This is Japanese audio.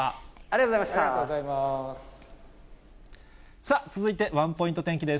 さあ、続いてワンポイント天気です。